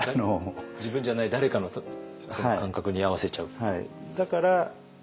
自分じゃない誰かの感覚に合わせちゃう。